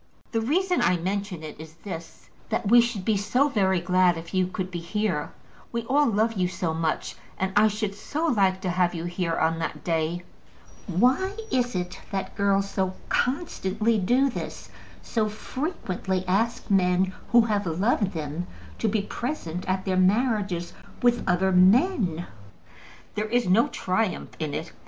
"The reason I mention it is this, that we should be so very glad if you could be here. We all love you so much, and I should so like to have you here on that day." Why is it that girls so constantly do this, so frequently ask men who have loved them to be present at their marriages with other men? There is no triumph in it.